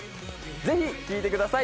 ぜひ聴いてください。